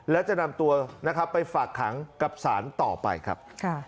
และจะนำตัวนะครับไปฝากขังกับสารต่อไปครับ